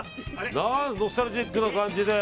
ノスタルジックな感じで。